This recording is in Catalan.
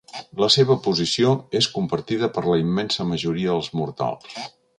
La seva posició és compartida per la immensa majoria dels mortals.